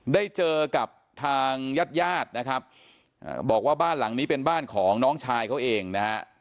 ได้เจอกับทางญาติญาตินะครับบอกว่าบ้านหลังนี้เป็นบ้านของน้องชายเขาเองนะฮะ